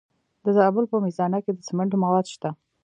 د زابل په میزانه کې د سمنټو مواد شته.